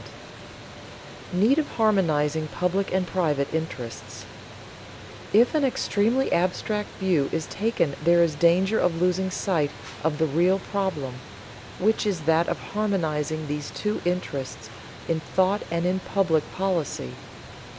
[Sidenote: Need of harmonizing public and private interests] If an extremely abstract view is taken there is danger of losing sight of the real problem, which is that of harmonizing these two interests in thought and in public policy.